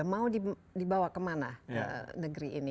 mau dibawa kemana negeri ini